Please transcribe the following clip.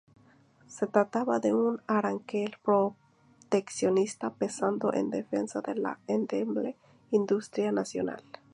Se trataba de un arancel proteccionista pensado en defensa de la endeble industria nacional.